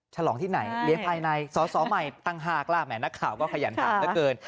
ฉลองที่ไหนเลี้ยงภายในสอสอใหม่ต่างหากล่ะแหมนักข่าวก็ขยันถามเหลือเกิน